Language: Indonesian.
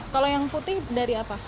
kalau yang putih dari apa